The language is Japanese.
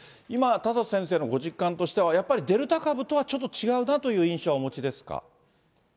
今、田里先生のご実感としては、やっぱりデルタ株とはちょっと違うなという印象はお持ちですか？